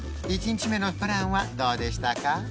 １日目のプランはどうでしたか？